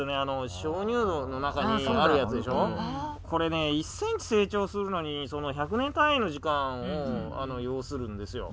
これね１ｃｍ成長するのに１００年単位の時間を要するんですよ。